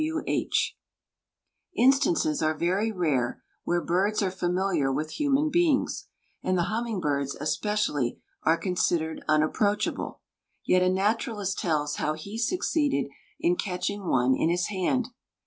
P. W. H. Instances are very rare where birds are familiar with human beings, and the humming birds especially are considered unapproachable, yet a naturalist tells how he succeeded in catching one in his hand.